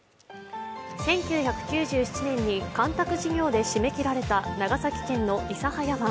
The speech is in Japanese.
１９９７年に干拓事業で閉め切られた長崎県の諫早湾。